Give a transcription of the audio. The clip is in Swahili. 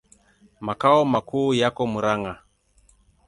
Makao makuu yako Murang'a.